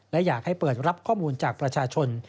และอยากให้เปิดรับข้อมูลจากประชาชน